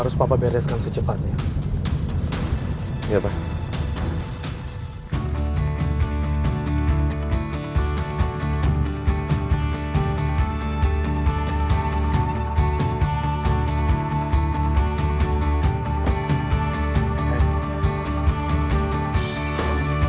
di sisi belakang kita itu sajeng ya